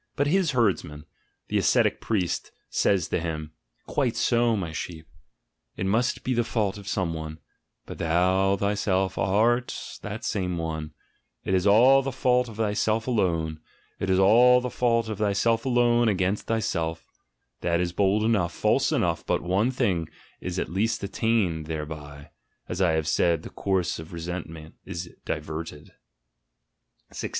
But his herdsman, the ascetic priest, says to him, "Quite so, my sheep, it must be the fault of some one; but thou thyself art that same one, it is all the fault of thyself alone — it is* the fault of thyself alone against thyself'': that is bold enough, false enough, but one thing is at least 136 THE GENEALOGY OF MORALS attained; thereby, as I have said, the course of resent ment is — diverted. 1 6.